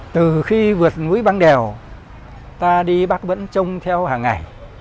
từ khi vượt núi băng đèo ta đi bác vẫn trông theo hàng ngày